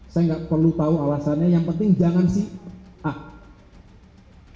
saya nggak perlu tahu alasannya yang penting jangan si a